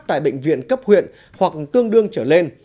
tại bệnh viện cấp huyện hoặc tương đương trở lên